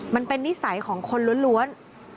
มันเป็นนิสัยของคนล้วน